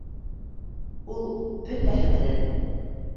Ул бөтәһе менән